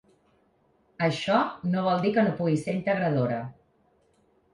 Això no vol dir que no pugui ser integradora.